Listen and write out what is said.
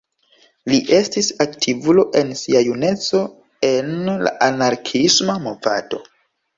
Li estis aktivulo en sia juneco en la anarkiisma movado.